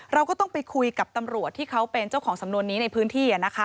เราก็ต้องไปคุยกับตำรวจที่เขาเป็นเจ้าของสำนวนนี้ในพื้นที่